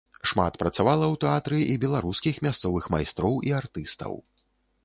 Шмат працавала ў тэатры і беларускіх мясцовых майстроў і артыстаў.